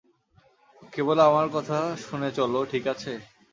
কেবল আমার কথা শুনে চলো, ঠিক আছে?